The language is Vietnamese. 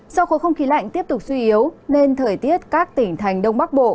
do khối không khí lạnh tiếp tục suy yếu nên thời tiết các tỉnh thành đông bắc bộ